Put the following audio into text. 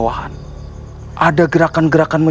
masalah pak man juru demo